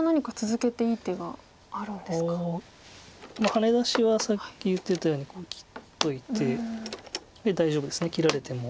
ハネ出しはさっき言ってたようにここ切っといて大丈夫です切られても。